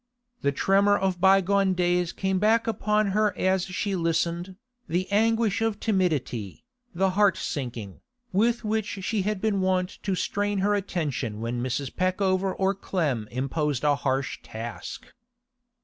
The tremor of bygone days came back upon her as she listened, the anguish of timidity, the heart sinking, with which she had been wont to strain her attention when Mrs. Peckover or Clem imposed a harsh task.